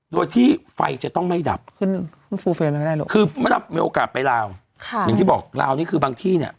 โดยที่ไฟจะต้องไม่ดับคือเวลามีโอกาสไปลาวค่ะอย่างที่บอกลาวนี่คือบางที่เนี้ย